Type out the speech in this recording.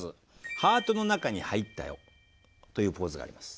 「ハートの中に入ったよ」というポーズがあります。